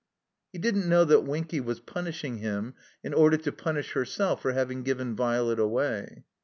He didn't know that Winky was punishing him in order to punish herself for having given Violet away.